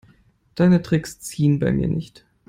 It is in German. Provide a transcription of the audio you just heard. Deine Tricks ziehen bei mir nicht.